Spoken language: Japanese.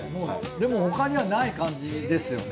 でも他にはない感じですよね？